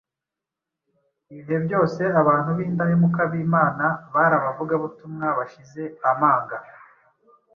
Ibihe byose abantu b’indahemuka b’Imana bari abavugabutumwa bashize amanga,